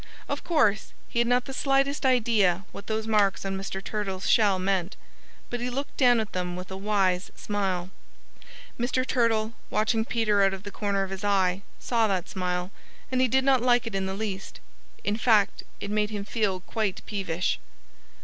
Of course, he had not the slightest idea what those marks on Mr. Turtle's shell meant. But he looked down at them with a wise smile. Mr. Turtle, watching Peter out of the corner of his eye, saw that smile; and he did not like it in the least. In fact, it made him feel quite peevish.